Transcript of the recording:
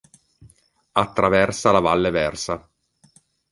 Attraversa la valle Versa.